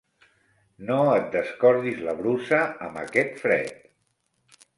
No et descordis la brusa, amb aquest fred.